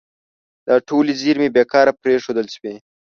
دا ټولې زیرمې بې کاره پرېښودل شوي.